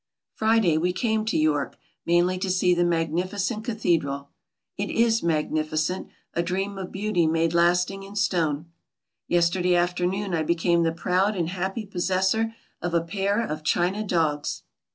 Friday we came to York, mainly to see the magnificent cathedral. It is magnificent, a dream of beauty made lasting in stone. Yesterday afternoon I became the proud and happy possessor of a pair of china dogs!